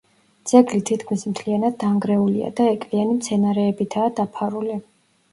ძეგლი თითქმის მთლიანად დანგრეულია და ეკლიანი მცენარეებითაა დაფარული.